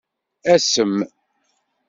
Asem.